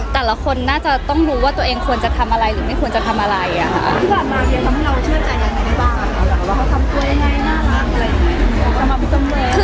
แต่ละคนน่าจะต้องรู้ว่าตัวเองควรจะทำอะไรหรือไม่ควรจะทำอะไรอ่ะค่ะ